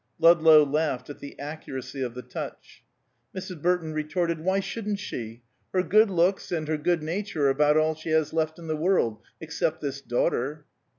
Ludlow laughed at the accuracy of the touch. Mrs. Burton retorted, "Why shouldn't she? Her good looks and her good nature are about all she has left in the world, except this daughter."